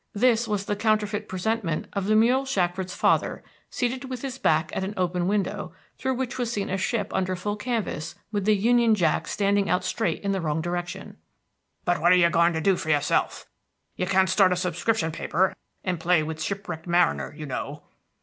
This was the counterfeit presentment of Lemuel Shackford's father seated with his back at an open window, through which was seen a ship under full canvas with the union jack standing out straight in the wrong direction. "But what are you going to do for yourself? You can't start a subscription paper, and play with shipwrecked mariner, you know."